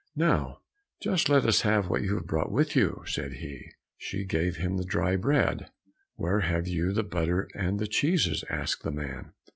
"Now just let us have what you have brought with you," said he. She gave him the dry bread. "Where have you the butter and the cheeses?" asked the man.